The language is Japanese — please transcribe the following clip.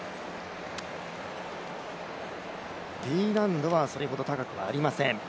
Ｄ難度はそれほど高くはありません。